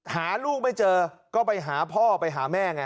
หาลูกไม่เจอก็ไปหาพ่อไปหาแม่ไง